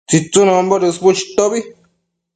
tsitsunombo dësbu chitobi